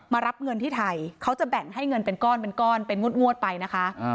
รับเงินที่ไทยเขาจะแบ่งให้เงินเป็นก้อนเป็นก้อนเป็นงวดไปนะคะ